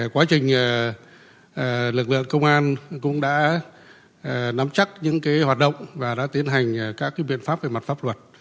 quá trình lực lượng công an cũng đã nắm chắc những hoạt động và đã tiến hành các biện pháp về mặt pháp luật